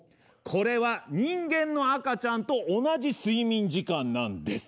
これは人間の赤ちゃんと同じ睡眠時間なんです。